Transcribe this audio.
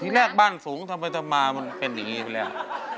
ที่แรกบ้านสูงทำไมจะมามันเป็นอย่างนี้แหละ